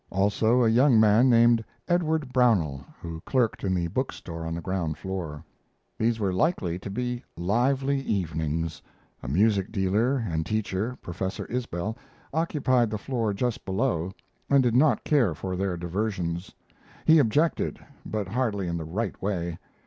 Also a young man named Edward Brownell, who clerked in the book store on the ground floor. These were likely to be lively evenings. A music dealer and teacher, Professor Isbell, occupied the floor just below, and did not care for their diversions. He objected, but hardly in the right way.